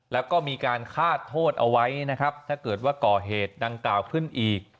แล้วก็มีการคาดโทษเอาไว้นะครับถ้าเกิดว่าก่อเหตุดังกล่าวขึ้นอีก